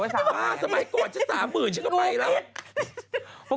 ไม่บ้าสมัยก่อนจะ๓๐๐๐๐ชิคกี้พายละ